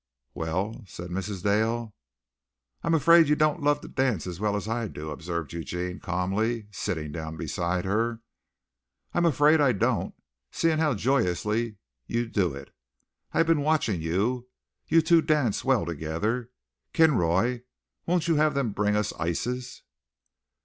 "Well?" said Mrs. Dale. "I'm afraid you don't love to dance as well as I do?" observed Eugene calmly, sitting down beside her. "I'm afraid I don't, seeing how joyously you do it. I've been watching you. You two dance well together. Kinroy, won't you have them bring us ices?"